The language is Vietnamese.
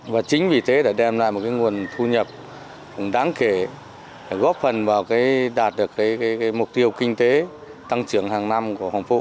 và chính vì thế đã đem lại một nguồn thu nhập đáng kể góp phần vào đạt được mục tiêu kinh tế tăng trưởng hàng năm của hồng phụ